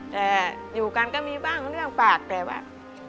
แต่อยู่กันก็มีบ้างเรื่องปากแต่ว่า